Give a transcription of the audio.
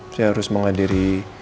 saya harus menghadiri